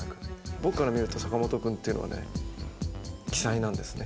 僕から見ると坂本くんっていうのはね奇才なんですね。